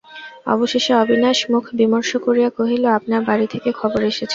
অবশেষে অবিনাশ মুখ বিমর্ষ করিয়া কহিল, আপনার বাড়ি থেকে খবর এসেছে।